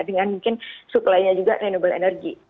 dengan mungkin suklainya juga renewable energy